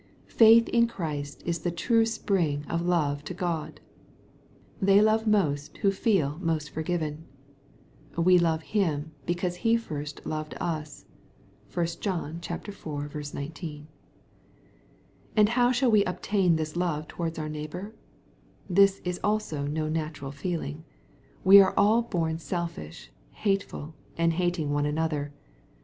Faith in Christ is the true spring of love to GKxL They .ove most who feel most forgiven, "We love him because he first loved us." (1 John iv. 19.) And how shall we obtain this love towards our neigh bor ? This is also no natural feeling. We are bom selfish, hateful, and hating one another.